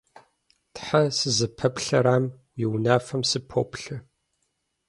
Тхьэ, сызыпэплъэрам, уи унафэм сыпоплъэ.